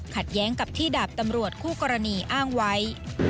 แย้งกับที่ดาบตำรวจคู่กรณีอ้างไว้